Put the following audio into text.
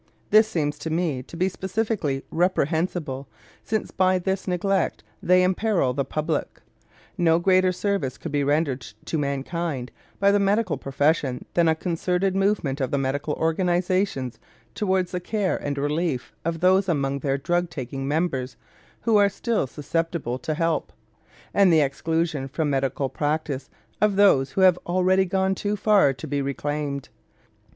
This seems to me to be specially reprehensible, since by this neglect they imperil the public. No greater service could be rendered to mankind by the medical profession than a concerted movement of the medical organizations toward the care and relief of those among their drug taking members who are still susceptible to help, and the exclusion from medical practice of those who have already gone too far to be reclaimed.